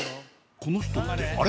この人ってあれ？